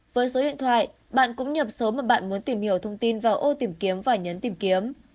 với số điện thoại bạn cũng nhập số mà bạn muốn tìm hiểu thông tin vào ô tìm kiếm và nhấn tìm kiếm